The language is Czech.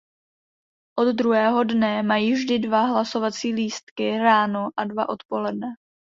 Od druhého dne mají vždy dva hlasovací lístky ráno a dva odpoledne.